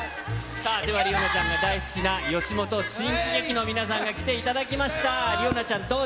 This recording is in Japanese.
さあ、理央奈ちゃんが大好きな吉本新喜劇の皆さんに来ていただきました。